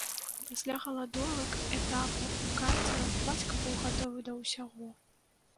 Пасля галадовак, этапаў і карцараў бацька быў гатовы да ўсяго.